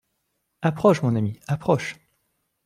Approche, mon ami, approche…